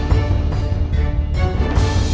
นี่